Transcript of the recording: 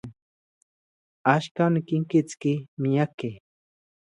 Axkan, okinkitski miakej.